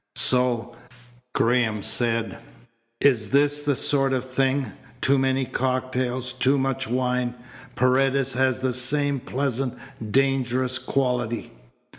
"So," Graham said, "is this sort of thing. Too many cocktails, too much wine. Paredes has the same pleasant, dangerous quality."